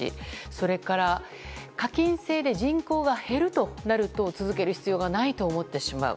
それから課金制で人口が減るとなると続ける必要がないと思ってしまう。